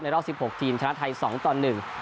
ในรอบ๑๖ทีมชนะไทย๒ตอน๑